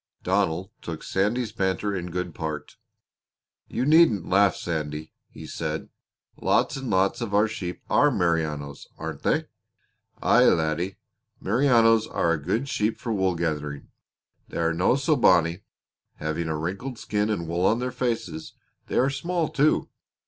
Donald took Sandy's banter in good part. "You needn't laugh, Sandy," he said. "Lots and lots of our sheep are Merinos, aren't they?" "Aye, laddie. Merinos are a good sheep for wool growing. They are no so bonny having a wrinkled skin and wool on their faces; they are small, too.